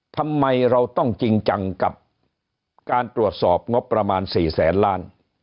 ทำไมเราต้องจริงจังกับการตรวจสอบงบประมาณ๔แสนล้าน